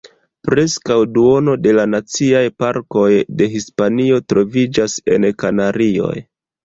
Preskaŭ duono de la Naciaj Parkoj de Hispanio troviĝas en Kanarioj.